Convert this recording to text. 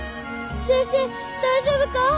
先生大丈夫かぁ？